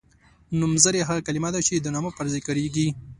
نومځری هغه کلمه ده چې د نامه پر ځای کاریږي.